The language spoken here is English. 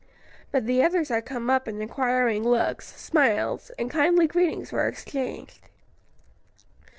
But the others had come up, and inquiring looks, smiles and kindly greetings were exchanged.